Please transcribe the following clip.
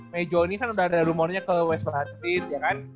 mejo ini kan udah ada rumornya ke westmaret ya kan